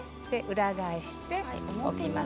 裏返して。